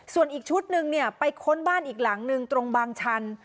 ส่วนอีกชุดนึงเนี่ยไปค้นบ้านอีกหลังนึงตรงบางชัน